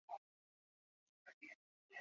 享年五十七岁。